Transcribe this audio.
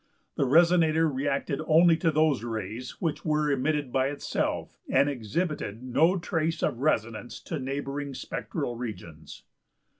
The resonator reacted only to those rays which were emitted by itself, and exhibited no trace of resonance to neighbouring spectral regions.